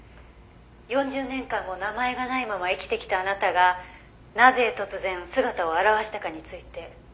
「４０年間も名前がないまま生きてきたあなたがなぜ突然姿を現したかについて」